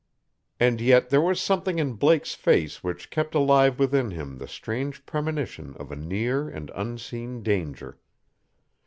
And yet there was something in Blake's face which kept alive within him the strange premonition of a near and unseen danger.